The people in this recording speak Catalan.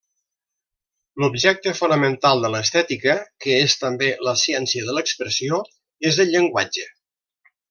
L'objecte fonamental de l'estètica —que és també la ciència de l'expressió— és el llenguatge.